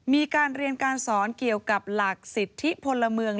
มีการเรียนการสอนเกี่ยวกับหลักสิทธิพลเมือง